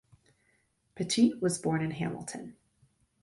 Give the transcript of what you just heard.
Pettit was born in Hamilton.